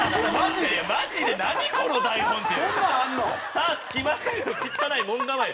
「さあ着きましたけど汚い門構え」。